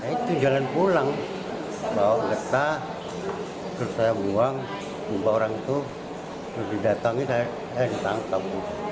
itu jalan pulang bawa letak terus saya buang limbah orang itu didatangi saya eh ditangkap